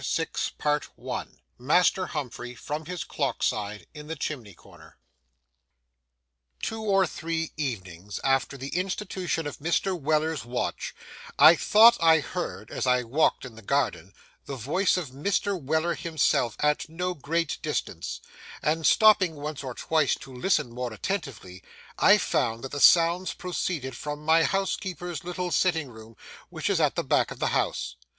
VI MASTER HUMPHREY, FROM HIS CLOCK SIDE IN THE CHIMNEY CORNER TWO or three evenings after the institution of Mr. Weller's Watch, I thought I heard, as I walked in the garden, the voice of Mr. Weller himself at no great distance; and stopping once or twice to listen more attentively, I found that the sounds proceeded from my housekeeper's little sitting room, which is at the back of the house.